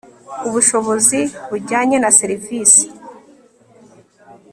ubushobozi bujyanye na serivisi